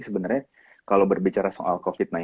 sebenarnya kalau berbicara soal covid sembilan belas